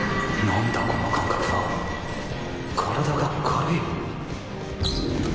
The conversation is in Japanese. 何だこの感覚は体が軽い